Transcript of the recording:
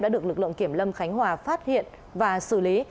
đã được lực lượng kiểm lâm khánh hòa phát hiện và xử lý